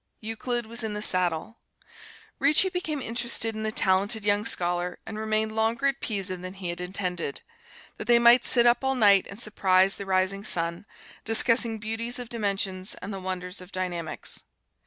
Euclid was in the saddle. Ricci became interested in the talented young scholar and remained longer at Pisa than he had intended, that they might sit up all night and surprise the rising sun, discussing beauties of dimensions and the wonders of dynamics.